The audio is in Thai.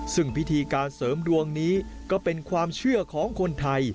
ซึ่งพิธีการเสริมดวงนี้ก็เป็นความเชื่อของคนไทย